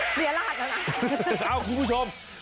เสียลาดแล้วนะ